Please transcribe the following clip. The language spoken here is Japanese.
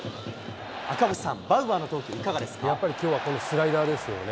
赤星さん、やっぱりきょうはこのスライダーですよね。